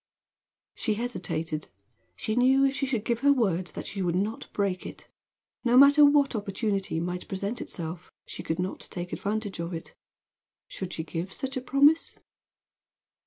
She hesitated. She knew if she should give her word that she would not break it. No matter what opportunity might present itself, she could not take advantage of it, should she give such a promise.